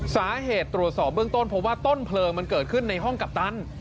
สาเหตุตรวจสอบเบื้องต้นพบว่าต้นเพลิงมันเกิดขึ้นในห้องกัปตัน